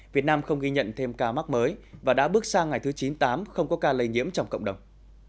việt nam không ghi nhận thêm ca mắc mới và đã bước sang ngày thứ chín tám không có ca lây nhiễm trong cộng đồng